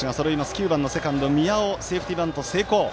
９番のセカンド、宮尾セーフティーバント成功。